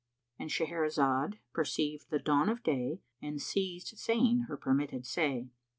—And Shahrazad perceived the dawn of day and ceased saying her permitted say.